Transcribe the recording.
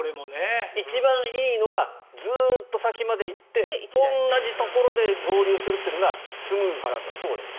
一番いいのはずっと先まで行って同じところで合流するのがスムーズなんだそうです。